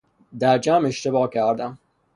در جمع اشتباه کردم